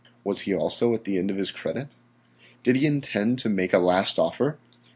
Was he also at the end of his credit? Did he intend to make a last offer?